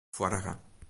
Foarige.